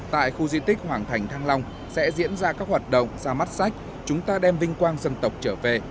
tại khu di tích hoàng thành thăng long sẽ diễn ra các hoạt động ra mắt sách chúng ta đem vinh quang dân tộc trở về